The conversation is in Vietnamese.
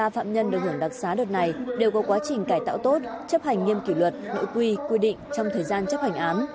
ba phạm nhân được hưởng đặc xá đợt này đều có quá trình cải tạo tốt chấp hành nghiêm kỷ luật nội quy quy định trong thời gian chấp hành án